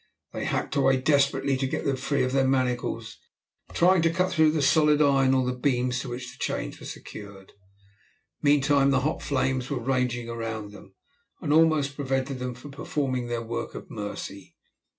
They hacked away desperately to get them free of their manacles, trying to cut through the solid iron or the beams to which the chains were secured. Meantime the hot flames were raging around them, and almost prevented them from performing their work of mercy.